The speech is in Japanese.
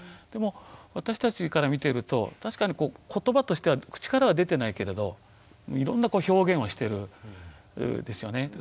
でも私たちから見てると確かにことばとしては口からは出てないけれどいろんな表現をしてるんですよね。